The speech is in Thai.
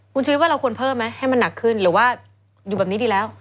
คุณชุวิตว่าเราควรเพิ่มไหมให้มันหนักขึ้นหรือว่าอยู่แบบนี้ดีแล้ว